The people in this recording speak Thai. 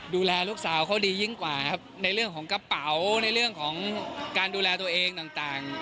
ดูแลลูกสาวเขาดียิ่งกว่าครับในเรื่องของกระเป๋าในเรื่องของการดูแลตัวเองต่าง